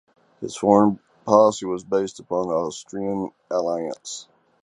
His foreign policy was based upon the Austrian alliance.